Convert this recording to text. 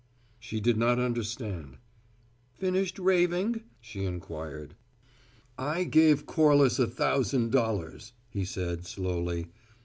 She did not understand. "Finished raving?" she inquired. "I gave Corliss a thousand dollars," he said, slowly.